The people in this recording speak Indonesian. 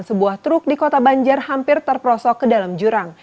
sebuah truk di kota banjar hampir terprosok ke dalam jurang